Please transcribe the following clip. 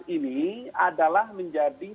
ini adalah menjadi